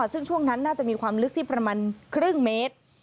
ซึ่งช่วงนั้นน่าจะมีความลึกที่ประมาณครึ่งเมตร